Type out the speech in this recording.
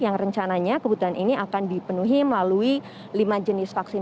yang rencananya kebutuhan ini akan dipenuhi melalui lima jenis vaksin